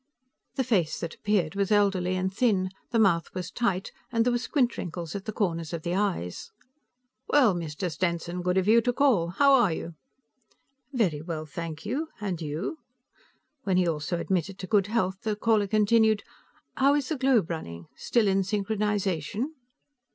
The face that appeared was elderly and thin; the mouth was tight, and there were squint wrinkles at the corners of the eyes. "Well, Mr. Stenson. Good of you to call. How are you?" "Very well, thank you. And you?" When he also admitted to good health, the caller continued: "How is the globe running? Still in synchronization?"